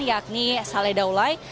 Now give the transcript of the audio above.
yakni saleh daulay